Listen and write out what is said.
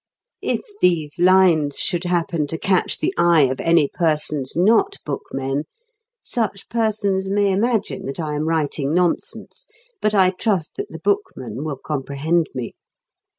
If these lines should happen to catch the eye of any persons not bookmen, such persons may imagine that I am writing nonsense; but I trust that the bookmen will comprehend me.